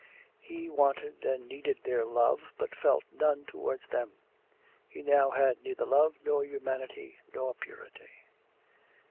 He wanted and needed their love, but felt none towards them. He now had neither love nor humility nor purity.